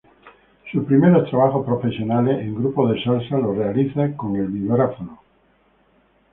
Sus primeros trabajos profesionales, en grupos de salsa, los realiza con el vibráfono.